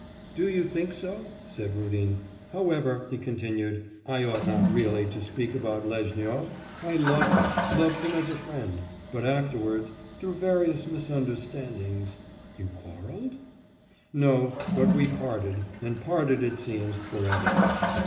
'Do you think so?' said Rudin.... 'However,' he continued, 'I ought not really to speak about Lezhnyov; I loved him, loved him as a friend... but afterwards, through various misunderstandings...' 'You quarrelled?' 'No. But we parted, and parted, it seems, for ever.